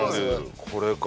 これか。